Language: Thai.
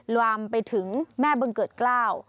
รวามไปถึงแม่เบื้องเกิดเกล้า